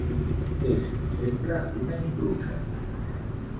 És sempre una intrusa.